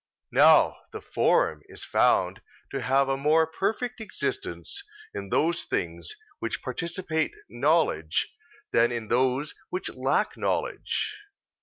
Now, the form is found to have a more perfect existence in those things which participate knowledge than in those which lack knowledge.